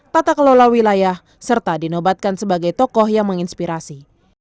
tata kelola wilayah serta dinobatkan sebagai tokoh yang menginspirasi